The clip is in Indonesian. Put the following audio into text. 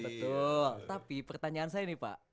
betul tapi pertanyaan saya nih pak